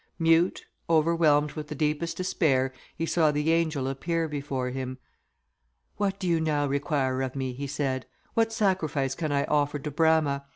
Mute, overwhelmed with the deepest despair, he saw the angel appear before him. "What do you now require of me?" he said; "What sacrifice can I offer to Brama?